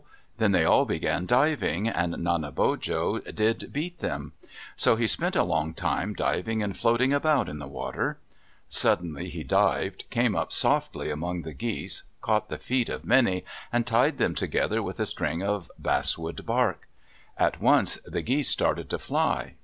Then they all began diving, and Nanebojo did beat them. So he spent a long time diving and floating about in the water. Suddenly he dived, came up softly among the geese, caught the feet of many, and tied them together with a string of basswood bark. At once the geese started to fly.